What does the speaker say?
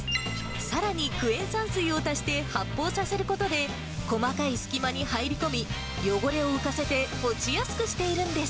さらにクエン酸水を足して発泡させることで、細かい隙間に入り込み、汚れを浮かせて落ちやすくしているんです。